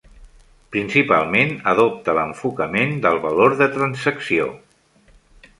Principalment, adopta l'enfocament del "valor de transacció".